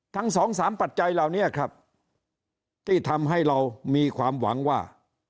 สองสามปัจจัยเหล่านี้ครับที่ทำให้เรามีความหวังว่า